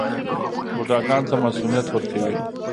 بوډاګانو ته مصوونیت ورکوي.